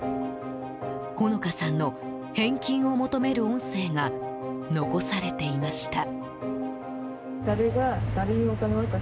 穂野香さんの返金を求める音声が残されていました。